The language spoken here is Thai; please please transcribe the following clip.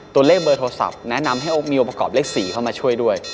ตัวเลขเบอร์โทรศัพท์แนะนำให้โอ๊คมีองค์ประกอบเลข๔เข้ามาช่วยด้วย